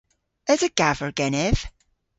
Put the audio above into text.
Esa gaver genev?